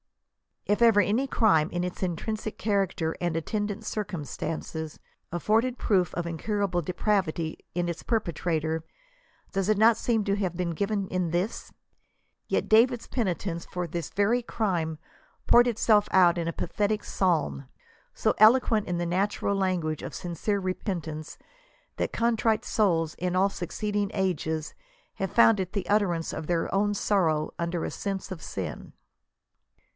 If ever any crime, in its intrinsic character and attendant cir> cumstances, afibrded proof of incurable depravity in its perpe trator, does it not seem to have been given in this ? Yet David's . penitence for this very crime poured itself out in a pathetic psalm, so eloquent in the natural language of sincere repentance, that contrite souls in all succeeding ages have found it the utterance of their own sorrow under a sense of sin.